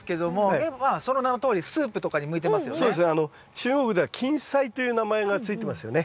中国では芹菜という名前が付いてますよね。